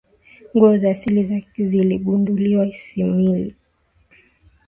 nguzo za asili za ziligunduliwa isimila